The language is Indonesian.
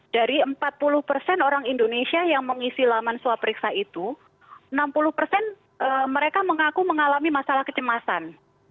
dari empat puluh orang indonesia yang mengisi laman swaperiksa itu enam puluh mereka mengaku mengalami masalah kecemasan